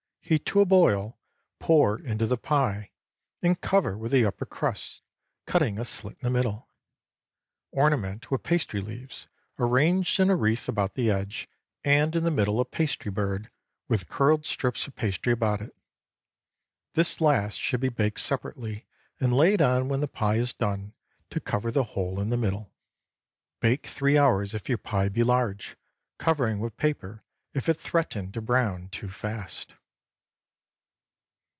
Heat to a boil, pour into the pie, and cover with the upper crust, cutting a slit in the middle. Ornament with pastry leaves, arranged in a wreath about the edge, and in the middle a pastry bird, with curled strips of pastry about it. This last should be baked separately and laid on when the pie is done, to cover the hole in the middle. Bake three hours if your pie be large, covering with paper if it threaten to brown too fast.